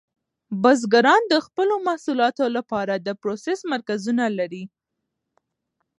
بزګران د خپلو محصولاتو لپاره د پروسس مرکزونه لري.